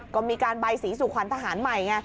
ก็มีการใบสีสู่ขวัญทหารใหม่ไง